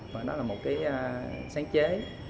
và đó là một cái sáng chế